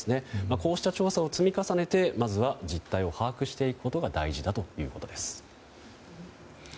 こうした調査を積み重ねてまずは実態を把握していくことが大事だということです。